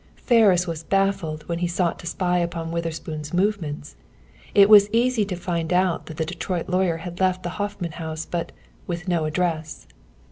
Ferris was baffled when he sought to spy upon Witherspoon's movements. It was easy to find out that the Detroit lawyer had left the Hoffman House, but "with no address."